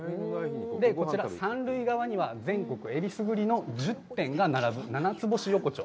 こちら、三塁側には、全国えりすぐりの１０店が並ぶ七つ星横丁。